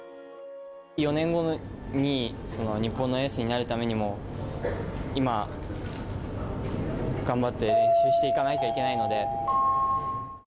４年後に日本のエースになるためにも今、頑張って練習していかなきゃいけないので。